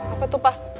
apa tuh pak